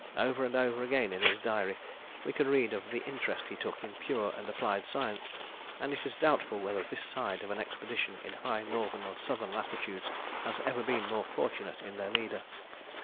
Over and over again in his diary we can read of the interest he took in pure and applied science, and it is doubtful whether this side of an expedition in high northern or southern latitudes has ever been more fortunate in their leader.